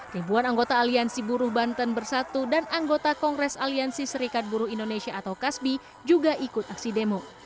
ribuan anggota aliansi buruh banten bersatu dan anggota kongres aliansi serikat buruh indonesia atau kasbi juga ikut aksi demo